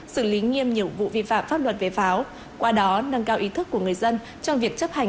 xử lý nghiêm nhiệm vụ vi phạm pháp luật về pháo qua đó nâng cao ý thức của người dân trong việc chấp hành